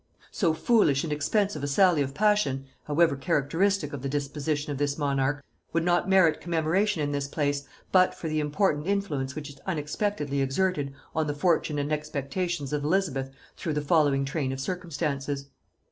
So foolish and expensive a sally of passion, however characteristic of the disposition of this monarch, would not merit commemoration in this place, but for the important influence which it unexpectedly exerted on the fortune and expectations of Elizabeth through the following train of circumstances.